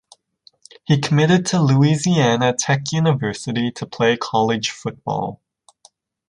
He committed to Louisiana Tech University to play college football.